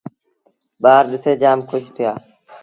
ٻآر ڏسي جآم کُش ٿئيٚݩ دآ۔